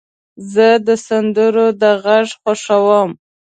زه د سندرو د غږ خوښوم.